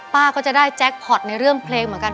ก็จะได้แจ็คพอร์ตในเรื่องเพลงเหมือนกัน